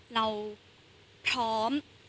เราพร้อม